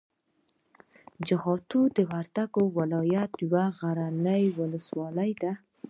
جغتو د وردګو د ولایت یوه غرنۍ ولسوالي ده.